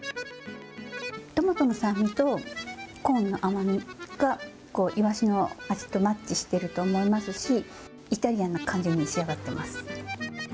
トマトの酸味とコーンの甘みが、いわしの味とマッチしてると思いますし、イタリアンな感じに仕上がってます。